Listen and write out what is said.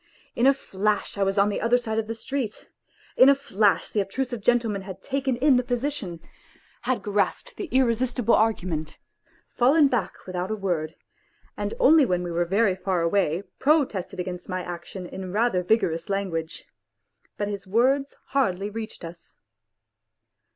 In a flash I was on the other side of the street ; in a flash the obtrusive gentleman had taken in the position, had grasped the irresistible argument, fallen back without a word, and only when we were very far away protested against my action in rather vigorous language. But his words hardly reached us.